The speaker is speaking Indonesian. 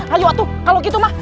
aduh kalau gitu mah